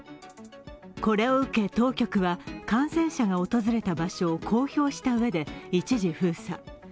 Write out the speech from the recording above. これを受け、当局は、感染者が訪れた場所を公表したうえで、一時封鎖。